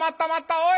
おい！